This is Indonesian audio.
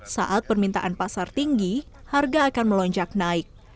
saat permintaan pasar tinggi harga akan melonjak naik